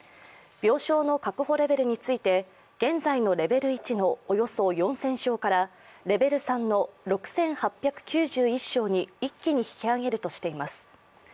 病床の確保レベルについて、現在のレベル１のおよそ４０００床からレベル３の６８９１床に一気に引き上げるとしています。